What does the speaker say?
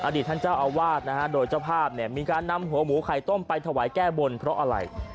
ท่านเจ้าอาวาสนะฮะโดยเจ้าภาพเนี่ยมีการนำหัวหมูไข่ต้มไปถวายแก้บนเพราะอะไร